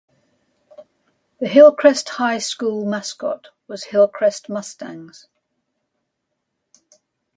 The Hillcrest High School mascot was Hillcrest Mustangs.